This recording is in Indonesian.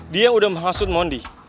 dia yang udah mengasut mondi